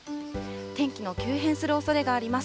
天気の急変するおそれがあります。